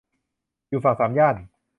อยู่ฝั่งสามย่าน